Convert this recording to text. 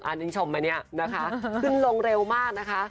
อันนี้ชมอันนี้นะคะขึ้นลงเร็วมากนะคะ